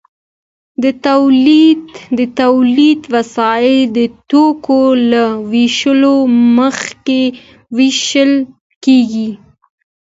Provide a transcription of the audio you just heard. د تولید وسایل د توکو له ویشلو مخکې ویشل کیږي.